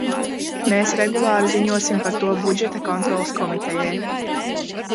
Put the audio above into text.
Mēs regulāri ziņosim par to Budžeta kontroles komitejai.